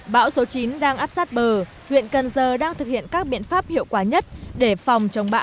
bão số chín đang áp sát bờ huyện cần giờ đang thực hiện các biện pháp hiệu quả nhất để phòng chống bão